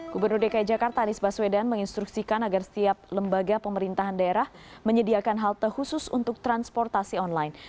gubernur dki jakarta anies baswedan menginstruksikan agar setiap lembaga pemerintahan daerah menyediakan halte khusus untuk transportasi online